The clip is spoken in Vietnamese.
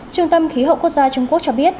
trung tâm khí hậu quốc gia trung quốc cho biết